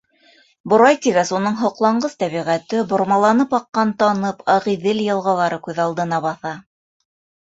Борай тигәс, уның һоҡланғыс тәбиғәте, бормаланып аҡҡан Танып, Ағиҙел йылғалары күҙ алдына баҫа.